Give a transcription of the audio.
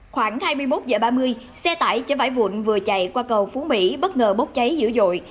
khoảng hai mươi một h ba mươi xe tải chở vải vụn vừa chạy qua cầu phú mỹ bất ngờ bốc cháy dữ dội